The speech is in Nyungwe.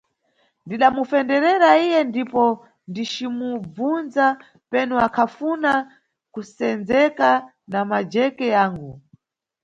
Ndidamufenderera iye ndipo ndicimubvunza penu akhafuna kusenzeka na majeke yangu.